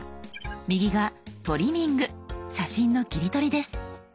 右が「トリミング」写真の切り取りです。